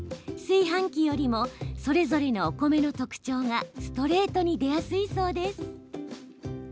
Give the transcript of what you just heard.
炊飯器よりもそれぞれのお米の特徴がストレートに出やすいそうです。